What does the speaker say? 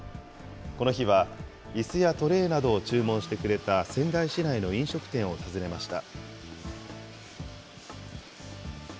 この日は、いすやトレーなどを注文してくれた仙台市内の飲食店を訪ねました。